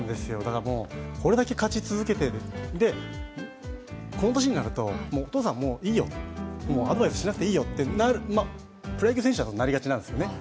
これだけ勝ち続けている、この年になると、お父さんもういいよアドバイスしなくていいよとプロ野球選手だとなりがちなんですよね。